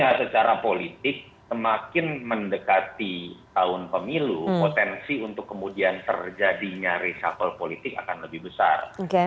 jadi atur secara politik semakin mendekati tahun pemilu potensi untuk kemudian terjadinya reshuffle politik akan lebih besar